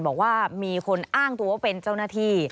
บอกว่ามีคนอ้างตัวว่าเป็นเจ้าหน้าที่